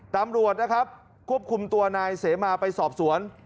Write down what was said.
ตำรวจนะครับควบคุมตัวนายเสมาไปสอบสวน